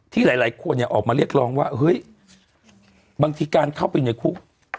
หลายคนเนี่ยออกมาเรียกร้องว่าเฮ้ยบางทีการเข้าไปในคุก